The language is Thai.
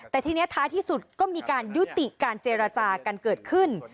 แต่ทีนี้ท้ายที่สุดก็มีการยุติการเจรจากันเกิดขึ้น